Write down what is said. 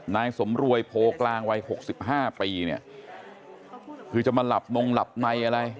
นายสมรวยโพกลางวัย๖๕ปีเนี่ยคือจะมาหลับนงหลับในอะไร